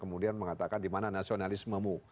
mengatakan dimana nasionalismemu